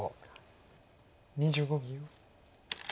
２５秒。